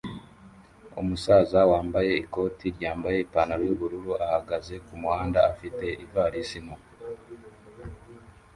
Umusaza wambaye ikoti ryambaye ipantaro yubururu ahagaze kumuhanda afite ivarisi nto